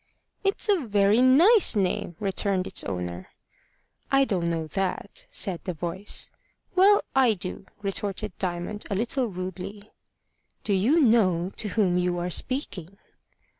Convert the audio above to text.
"It's a very nice name," returned its owner. "I don't know that," said the voice. "Well, I do," retorted Diamond, a little rudely. "Do you know to whom you are speaking!"